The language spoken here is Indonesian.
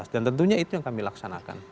dan tentunya itu yang kami laksanakan